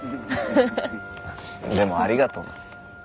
でもありがとな。